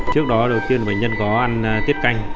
trước đó đầu tiên bệnh nhân có ăn tiết canh